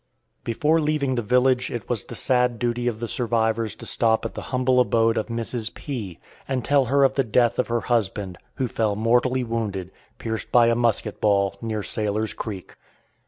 Before leaving the village it was the sad duty of the survivors to stop at the humble abode of Mrs. P., and tell her of the death of her husband, who fell mortally wounded, pierced by a musket ball, near Sailor's Creek.